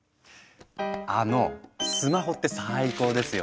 あのぉスマホって最高ですよね？